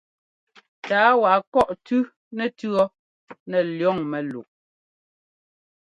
Tǎa wa kɔ̂ʼ tʉ́ nɛtʉ̈ nɛ liɔŋ mɛ́luʼ.